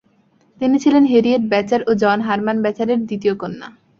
তিনি ছিলেন Harriet Beecher ও জন হারমান বেচারের দ্বিতীয় কন্যা।